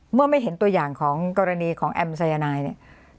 เมื่อไม่เห็นตัวอย่างของกรณีของแอมสายนายเนี่ย